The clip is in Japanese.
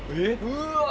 うわ。